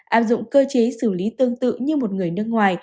áp dụng cơ chế xử lý tương tự như một người nước ngoài